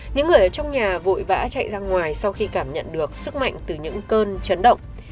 những người ở trong nhà vội vã chạy ra ngoài sau khi cảm nhận được sức mạnh từ những cơn chấn động